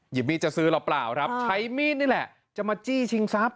มีดจะซื้อหรือเปล่าครับใช้มีดนี่แหละจะมาจี้ชิงทรัพย